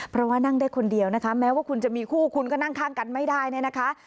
เพราะว่านั่งได้คนเดียวนะคะแม้ว่าคุณจะมีคู่คุณก็นั่งข้างกันไม่ได้เนี่ยนะคะ